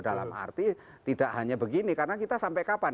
dalam arti tidak hanya begini karena kita sampai kapan